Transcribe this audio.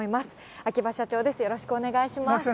秋葉社長です、よろしくお願いします。